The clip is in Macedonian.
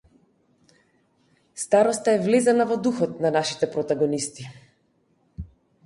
Староста е влезена во духот на нашите протагонисти.